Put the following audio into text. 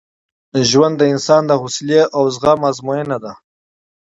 ژوند د انسان د حوصلې او زغم ازموینه ده.